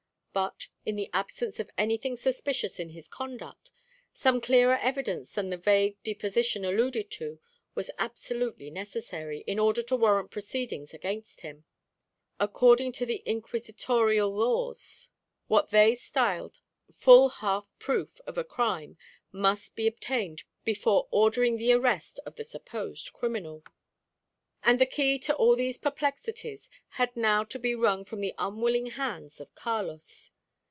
But, in the absence of anything suspicious in his conduct, some clearer evidence than the vague deposition alluded to was absolutely necessary, in order to warrant proceedings against him. According to the inquisitorial laws, what they styled "full half proof" of a crime must be obtained before ordering the arrest of the supposed criminal. And the key to all these perplexities had now to be wrung from the unwilling hands of Carlos.